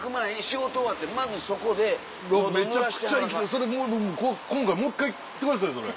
それ今回もう一回行ってくださいよそれ。